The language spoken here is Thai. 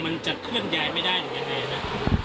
มันจะเคลื่อนย้ายไม่ได้อย่างไรนะ